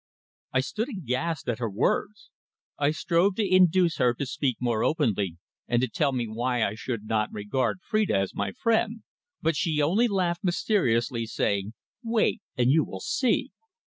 I stood aghast at her words. I strove to induce her to speak more openly, and to tell me why I should not regard Phrida as my friend. But she only laughed mysteriously, saying: "Wait, and you will see."